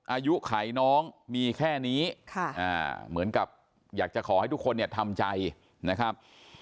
อายุไขน้องมีแค่นี้เหมือนกับอยากจะขอให้ทุกคนเนี่ยทำใจนะครับ